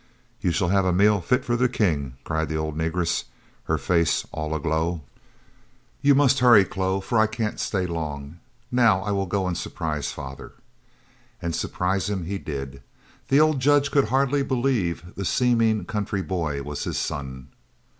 "Yo' shell hev a meal fit fo' de king!" cried the old negress, her face all aglow. "You must hurry, Chloe, for I can't stay long. Now I will go and surprise father." And surprise him he did. The old Judge could hardly believe the seeming country boy was his son.